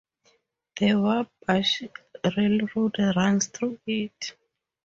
The Wabash Railroad runs through it.